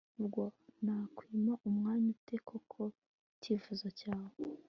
Ubwo nakwima umwanya ute koko icyifuzo cyawe